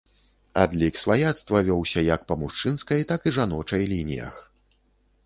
Адлік сваяцтва вёўся як па мужчынскай, так і жаночай лініях.